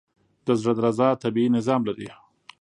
د زړه درزا طبیعي نظام لري.